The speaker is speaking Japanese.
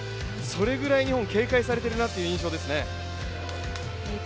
それぐらい日本、警戒されているなという印象ですね。